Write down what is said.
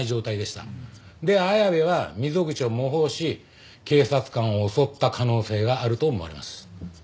で綾部は溝口を模倣し警察官を襲った可能性があると思われます。